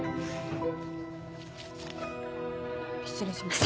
失礼します。